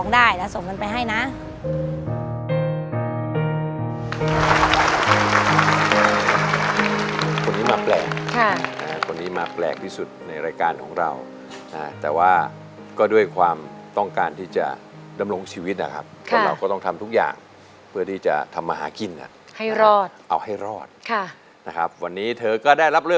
เดี๋ยวแม่ขายของได้แล้วส่งมันไปให้นะ